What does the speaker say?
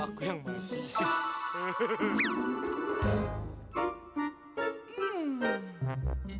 kok aku yang bangkit